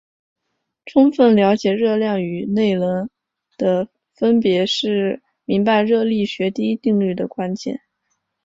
充分了解热量与内能的分别是明白热力学第一定律的关键。